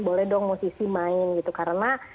boleh dong musisi main gitu karena